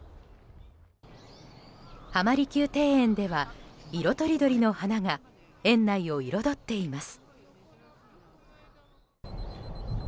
浜離宮庭園では色とりどりの花が園内を彩っています。